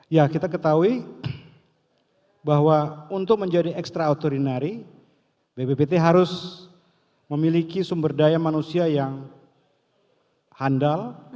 ya kita ketahui bahwa untuk menjadi ekstraordinari bppt harus memiliki sumber daya manusia yang handal